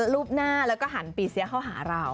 รูปหน้าแล้วก็หันปีเสียเข้าหาเรา